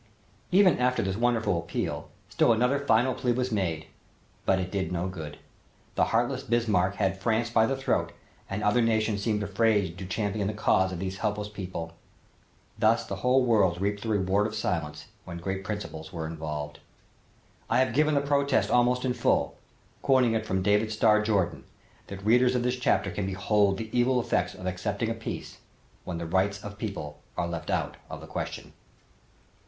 Even after this wonderful appeal, still another final plea was made, but it did no good. The heartless Bismarck had France by the throat and other nations seemed afraid to champion the cause of these helpless people. Thus the whole world reaped the reward of silence when great principles were involved. I have given the protest almost in full, quoting it from David Starr Jordan, that readers of this chapter can behold the evil effects of accepting a peace when the rights of people are left out of the question.